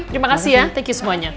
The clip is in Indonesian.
terima kasih ya thank you semuanya